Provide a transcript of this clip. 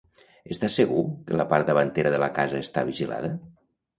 Estàs segur que la part davantera de la casa està vigilada?